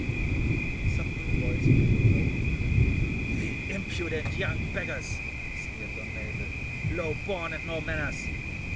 The submarine boys paid no heed to him. "The impudent young beggars," sneered Don Melville. "Low born, and no manners!"